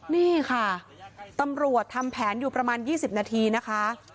นี่ค่ะตำรวจทำแผนอยู่ประมาณ๒๐นาทีนะคะ